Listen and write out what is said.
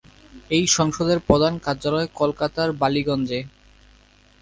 এই সংঘের প্রধান কার্যালয় কলকাতার বালীগঞ্জে।